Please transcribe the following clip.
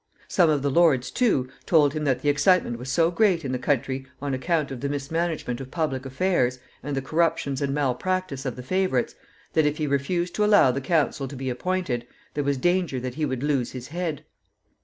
Some of the lords, too, told him that the excitement was so great in the country on account of the mismanagement of public affairs, and the corruptions and malpractice of the favorites, that if he refused to allow the council to be appointed, there was danger that he would lose his head.